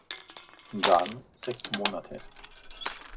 Dan sechs Monate.